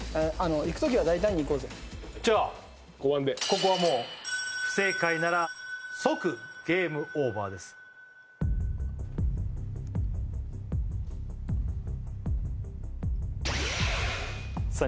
いく時は大胆にいこうぜ５番で不正解なら即ゲームオーバーですさあ